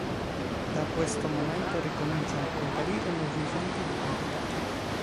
Da questo momento ricominciano a comparire nuove fonti documentarie.